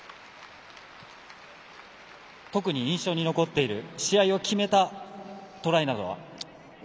特に印象に残っている試合を決めたトライなどは？